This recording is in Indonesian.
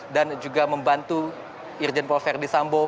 dan juga membantu irjen pol verdi sambo